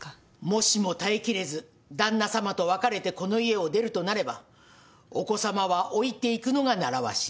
もしも耐えきれず旦那さまと別れてこの家を出るとなればお子さまは置いていくのが習わし。